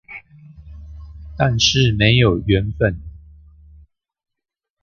但是沒有緣分